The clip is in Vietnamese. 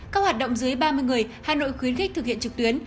các hoạt động dưới ba mươi người hà nội khuyến khích thực hiện trực tuyến